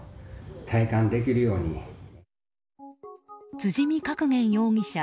辻見覚彦容疑者。